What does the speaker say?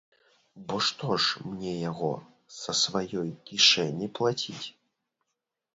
Бо што ж мне яго, са сваёй кішэні плаціць?